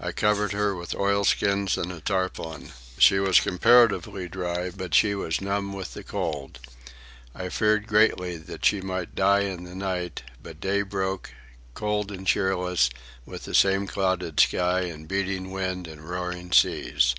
I covered her with oilskins and a tarpaulin. She was comparatively dry, but she was numb with the cold. I feared greatly that she might die in the night; but day broke, cold and cheerless, with the same clouded sky and beating wind and roaring seas.